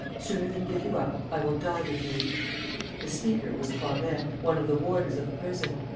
Sooner than give you up I will die with you!' The speaker was Poiret, one of the warders of the prison.